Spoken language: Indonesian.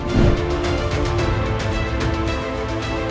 masyarakat bisa melakukan penukaran uang kecil maupun top up uang elektronik